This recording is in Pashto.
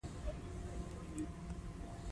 پیاله د قهر او مینې ننداره ده.